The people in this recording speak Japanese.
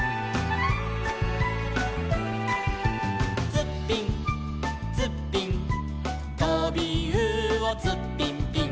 「ツッピンツッピン」「とびうおツッピンピン」